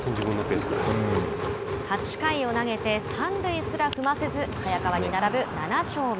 ８回を投げて三塁すら踏ませず早川に並ぶ７勝目。